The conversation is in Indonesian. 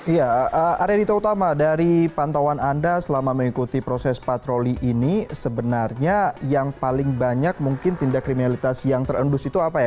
ya arya dita utama dari pantauan anda selama mengikuti proses patroli ini sebenarnya yang paling banyak mungkin tindak kriminalitas yang terendus itu apa ya